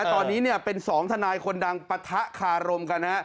ตอนนี้เป็น๒ทนายคนดังปะทะคารมกัน